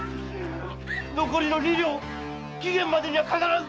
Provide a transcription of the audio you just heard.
残りの二両期限までには必ず！